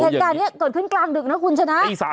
เหตุการณ์นี้เกิดขึ้นกลางดึกนะคุณชนะ